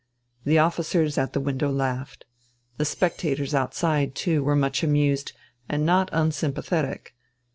The officers at the window laughed. The spectators outside, too, were much amused, and not unsympathetic.